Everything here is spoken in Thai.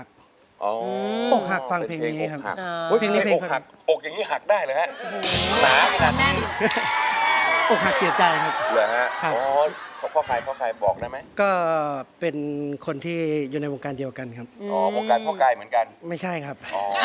ก็เป็นคนที่อยู่ในวงการเดียวกันครับไม่ใช่ครับ